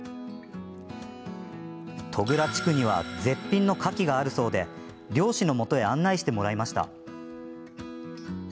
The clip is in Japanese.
戸倉地区には絶品のかきがあるそうで漁師のもとへ案内してもらいました。